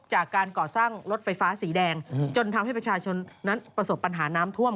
จากการก่อสร้างรถไฟฟ้าสีแดงจนทำให้ประชาชนนั้นประสบปัญหาน้ำท่วม